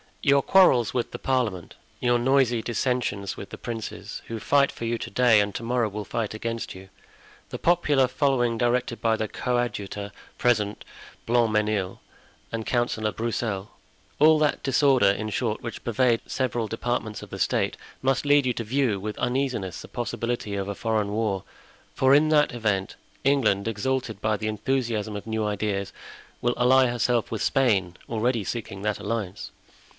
"Your quarrels with the parliament, your noisy dissensions with the princes, who fight for you to day and to morrow will fight against you, the popular following directed by the coadjutor, President Blancmesnil, and Councillor Broussel—all that disorder, in short, which pervades the several departments of the state, must lead you to view with uneasiness the possibility of a foreign war; for in that event England, exalted by the enthusiasm of new ideas, will ally herself with Spain, already seeking that alliance.